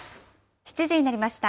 ７時になりました。